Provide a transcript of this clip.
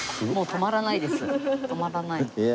止まらない。